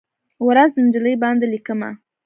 ورځ، نجلۍ باندې لیکمه